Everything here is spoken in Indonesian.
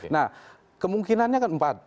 nah kemungkinannya kan empat